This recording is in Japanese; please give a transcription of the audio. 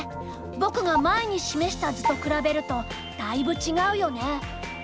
僕が前に示した図と比べるとだいぶ違うよね。